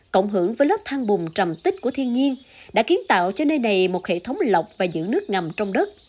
cộng hưởng với lớp thang bùm trầm tích của thiên nhiên đã kiến tạo cho nơi này một hệ thống lọc và giữ nước ngầm trong đất